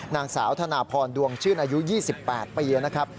นางสาวถนพรดวงชื่นอายุยี่สิบแปดปีนะครับ